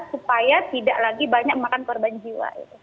supaya tidak lagi banyak makan korban jiwa